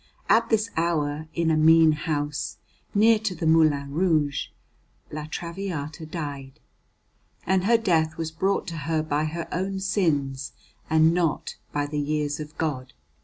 At this hour in a mean house, near to the Moulin Rouge, La Traviata died; and her death was brought to her by her own sins, and not by the years of God.